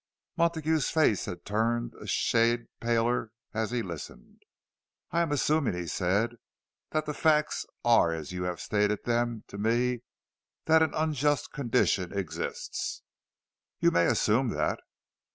Montague's face had turned a shade paler as he listened. "I am assuming," he said, "that the facts are as you have stated them to me—that an unjust condition exists." "You may assume that."